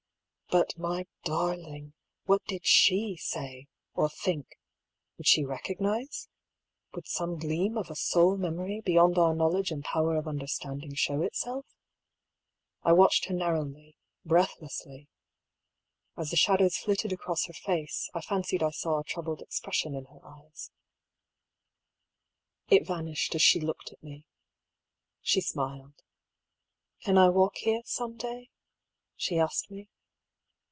But, my darling^ what did she say, or think ? Would she recognise? Would some gleam of a soul memory beyond our knowledge and power of understanding show itself ? I watched her narrowly, breathlessly. As the shadows flitted across her face, I fancied I saw a troubled expression in her eyes. 256 I>r^ PAULL'S THEOEY. It vanished as she looked at me. She smiled. ^' Can I walk here, some day ?" she asked me.